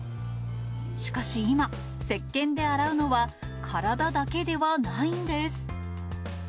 しかし今、せっけんで洗うのは、体だけではないんです。